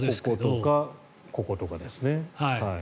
こことかこことかですね。